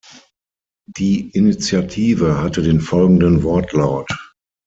Die Initiative hatte den folgenden Wortlaut.